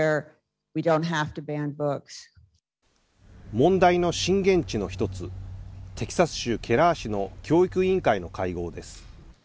問題の震源地の１つテキサス州ケラー市の教育委員会の会合です。